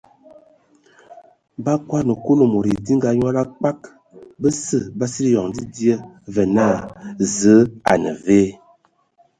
Ba akodan Kulu mod edinga a nyal a kpag basə ba sili eyoŋ dzidzia və naa: Zǝ a ne ve ?.